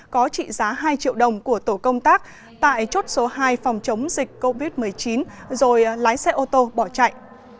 có trị giá hai triệu đồng của tổ công tác tại chốt số hai phòng chống dịch covid một mươi chín rồi lái xe ô tô bỏ chạy